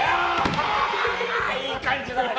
いい感じだよね！